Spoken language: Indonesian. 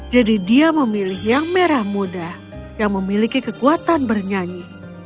jadi dia memilih yang merah muda yang memiliki kekuatan bernyanyi